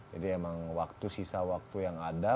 jadi memang sisa waktu yang ada